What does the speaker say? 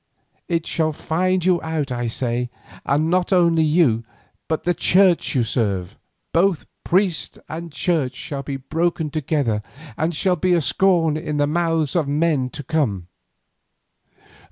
It shall find you out I say, and not only you but the Church you serve. Both priest and Church shall be broken together and shall be a scorn in the mouths of men to come."